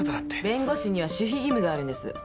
弁護士には守秘義務があるんです。